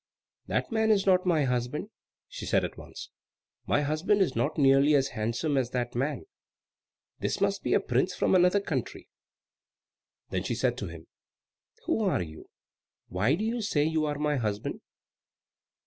"That man is not my husband," she said at once. "My husband is not nearly as handsome as that man. This must be a prince from another country." Then she said to him, "Who are you? Why do you say you are my husband?"